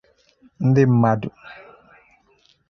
ndị mmadụ